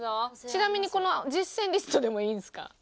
ちなみにこの実践リストでもいいんですか？